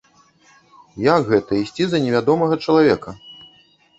Як гэта ісці за невядомага чалавека?